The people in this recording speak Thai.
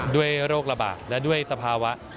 โรคระบาดและด้วยสภาวะ